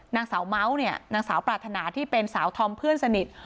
นางสาวเมาส์เนี่ยนางสาวปรารถนาที่เป็นสาวธอมเพื่อนสนิท